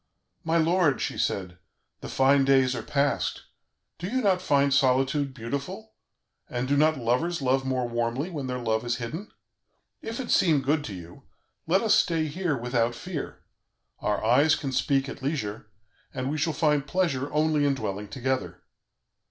'My lord,' she said, 'the fine days are past; do you not find solitude beautiful, and do not lovers love more warmly when their love is hidden? If it seem good to you, let us stay here without fear; our eyes can speak at leisure, and we shall find pleasure only in dwelling together.